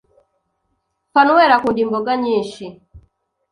Fanweli akunda imboga nyinshi